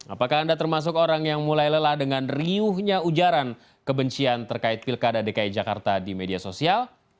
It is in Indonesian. apakah anda termasuk orang yang mulai lelah dengan riuhnya ujaran kebencian terkait pilkada dki jakarta di media sosial